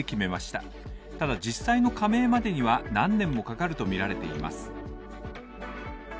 ただ実際の加盟までには何年もかかるとみられています。